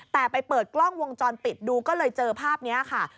แต่ไปเปิดกล้องวงจรปิดดูก็เลยเจอภาพนี้ค่ะ